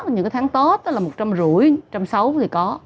những cái tháng tết đó là một trăm năm mươi một trăm sáu mươi thì có